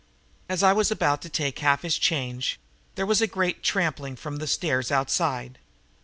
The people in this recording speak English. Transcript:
As I was about to take half of his change, there was a great trampling from the stairs outside.